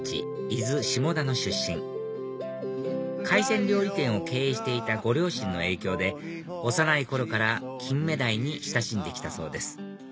伊豆下田の出身海鮮料理店を経営していたご両親の影響で幼い頃からキンメダイに親しんで来たそうです